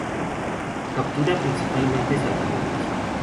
Captura principalmente saltamontes.